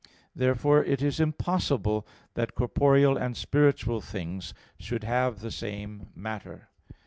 Therefore it is impossible that corporeal and spiritual things should have the same matter.